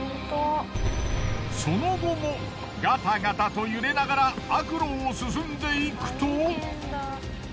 その後もガタガタと揺れながら悪路を進んでいくと。